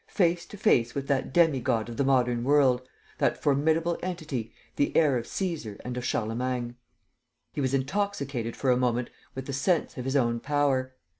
. face to face with that demi god of the modern world, that formidable entity, the heir of Cæsar and of Charlemagne. He was intoxicated for a moment with the sense of his own power.